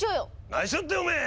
ないしょっておめえ！